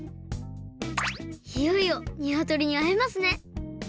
いよいよにわとりにあえますね